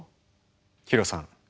ヒロさん